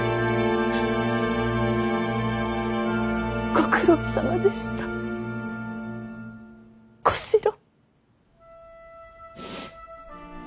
ご苦労さまでした小四郎。